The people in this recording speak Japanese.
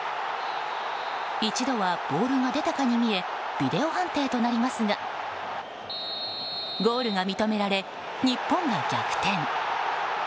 一度はボールが出たかに見えビデオ判定となりますがゴールが認められ日本が逆転。